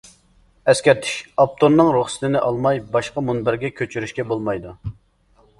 ئەسكەرتىش:ئاپتورنىڭ رۇخسىتىنى ئالماي باشقا مۇنبەرگە كۆچۈرۈشكە بولمايدۇ.